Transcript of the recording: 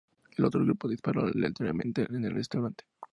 El otro grupo disparó aleatoriamente en el restaurante.